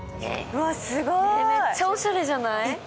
めっちゃおしゃれじゃない？